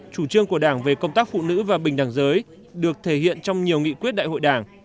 chủ trương của đảng về công tác phụ nữ và bình đẳng giới được thể hiện trong nhiều nghị quyết đại hội đảng